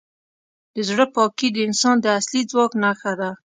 د زړه پاکي د انسان د اصلي ځواک نښه ده.